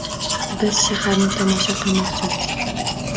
Biz shaharni tomosha qilmoqchimiz.